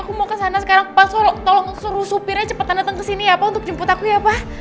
aku mau kesana sekarang pasol tolong suruh supirnya cepetan dateng kesini ya pa untuk jemput aku ya pa